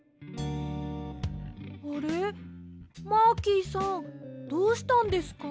あれマーキーさんどうしたんですか？